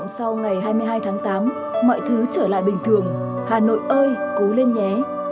sáng tám mọi thứ trở lại bình thường hà nội ơi cứu lên nhé